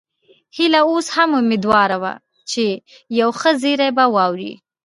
هيله اوس هم اميدواره وه چې یو ښه زیری به واوري